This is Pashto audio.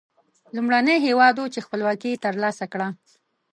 لومړنی هېواد و چې خپلواکي تر لاسه کړه.